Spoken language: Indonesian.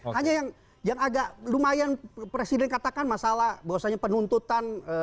hanya yang agak lumayan presiden katakan masalah bahwasannya penuntutan